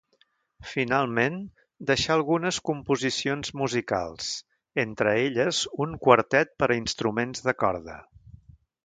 Finalment, deixà algunes composicions musicals, entre elles un quartet per a instruments de corda.